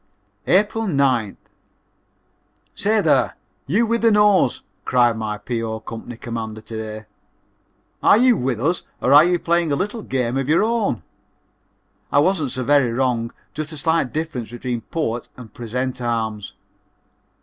April 9th. "Say, there, you with the nose," cried my P.O. company commander to day, "are you with us or are you playing a little game of your own?" I wasn't so very wrong just the slight difference between port and present arms.